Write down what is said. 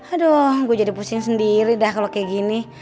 aduh gue jadi pusing sendiri dah kalau kayak gini